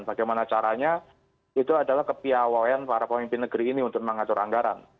bagaimana caranya itu adalah kepiawayan para pemimpin negeri ini untuk mengatur anggaran